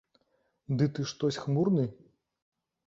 Ды ты штось хмурны?